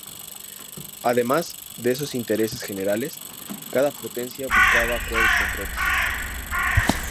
Además de esos intereses generales, cada potencia buscaba acuerdos concretos.